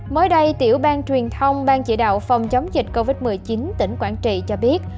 mới đây tiểu ban truyền thông bang chỉ đạo phòng chống dịch covid một mươi chín tỉnh quảng trị cho biết